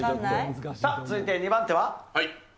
続いて２番手は？